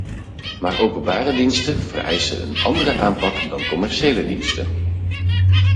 Maar openbare diensten vereisen een andere aanpak dan commerciële diensten.